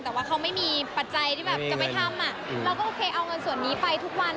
แต่ว่าเขาไม่มีปัจจัยที่แบบจะไปทำเราก็โอเคเอาเงินส่วนนี้ไปทุกวัน